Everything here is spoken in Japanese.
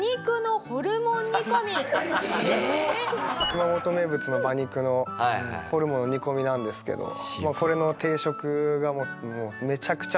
熊本名物の馬肉のホルモンの煮込みなんですけどこれの定食がめちゃくちゃ好きで。